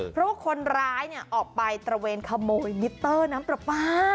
เพราะว่าคนร้ายออกไปตระเวนขโมยมิเตอร์น้ำปลาปลา